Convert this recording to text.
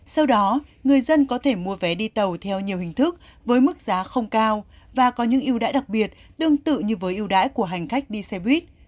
sau đó người dân có thể mua vé đi tàu theo nhiều hình thức với mức giá không cao và có những yêu đãi đặc biệt tương tự như với yêu đãi của hành khách đi xe buýt